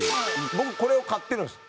僕これを買ってるんですよ。